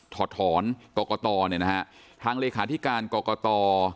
ถอดถอนกรกตเนี่ยนะฮะทางเลขาธิการกรกต